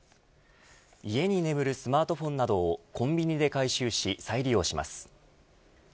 家に眠るスマートフォンなどをコンビニで回収し再利用します。